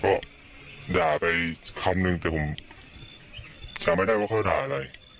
ก็ด่าไปคำนึงแต่ผมจำไม่ได้ว่าเขาด่าอะไร